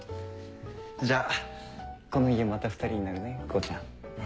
じゃこの家また２人になるね光ちゃん。